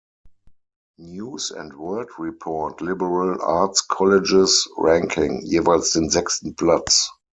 News and World Report liberal arts colleges ranking" jeweils den sechsten Platz.